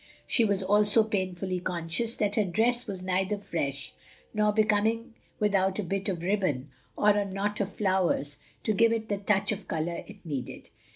She was also painfully conscious that her dress was neither fresh nor becoming without a bit of ribbon or a knot of flowers to give it the touch of color it needed.